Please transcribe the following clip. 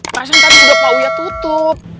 rasanya tadi udah pak uya tutup